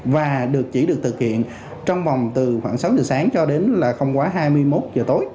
và được chỉ được thực hiện trong vòng từ khoảng sáu giờ sáng cho đến là không quá hai mươi một giờ tối